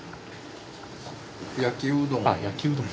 焼きうどん。